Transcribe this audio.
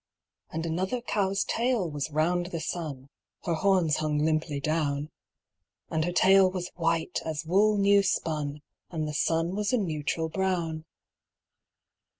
And another cow's tail was round the sun (Her horns hung limply down); And her tail was white as wool new spun, And the sun was a neutral brown.